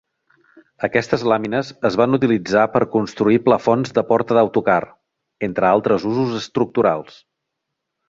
Aquestes làmines es van utilitzar per construir plafons de porta d'autocar, entre altres usos estructurals.